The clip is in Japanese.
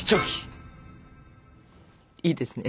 いいですね。